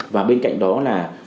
và bên cạnh đó là